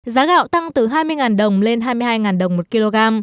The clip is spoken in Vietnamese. giá gạo tăng từ hai mươi đồng lên hai mươi hai đồng một kg